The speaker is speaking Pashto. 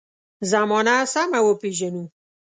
زمانه سمه وپېژنو.